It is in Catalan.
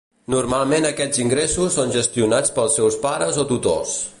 Normalment aquests ingressos són gestionats pels seus pares o tutors.